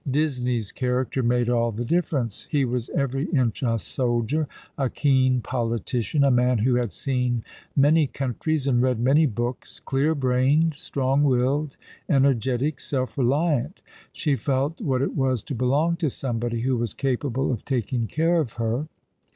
Disney's character made all the difference. He was every inch a soldier, a keen politician, a man who had seen many countries and read many books, clear brained, strong willed, energetic, self reliant. She felt what it was to belong to somebody who was capable of taking care of her.